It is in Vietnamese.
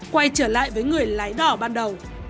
quay trở lại với người lái đỏ ban đầu